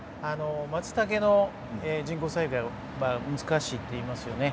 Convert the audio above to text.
マツタケの人工栽培は難しいといわれていますよね。